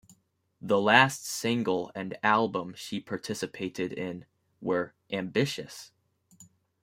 The last single and album she participated in were Ambitious!